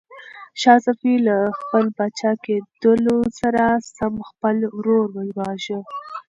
شاه صفي له خپل پاچا کېدلو سره سم خپل ورور وواژه.